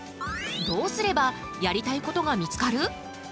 どうすればやりたいことが見つかる？